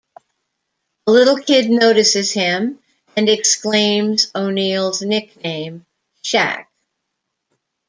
A little kid notices him, and exclaims O'Neal's nickname, "Shaq".